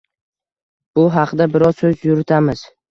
Bu haqda biroz so‘z yuritamiz.